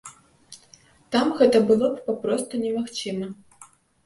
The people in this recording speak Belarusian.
Там гэта было б папросту немагчыма.